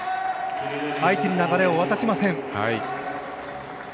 相手に流れを渡しません。